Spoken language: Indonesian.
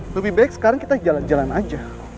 lebih baik sekarang kita jalan jalan aja